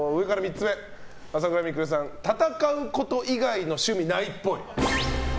朝倉未来さん戦うこと以外の趣味ないっぽい。